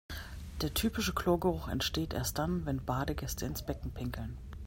Der typische Chlorgeruch entsteht erst dann, wenn Badegäste ins Becken pinkeln.